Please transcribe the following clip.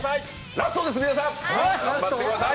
ラストです、皆さん頑張ってください。